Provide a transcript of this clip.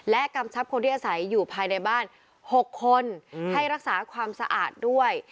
กำชับคนที่อาศัยอยู่ภายในบ้าน๖คนให้รักษาความสะอาดด้วย